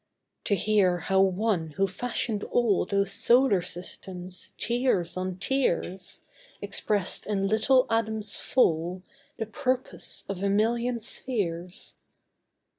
To hear how One who fashioned all Those Solar Systems, tier on tiers, Expressed in little Adam's fall The purpose of a million spheres.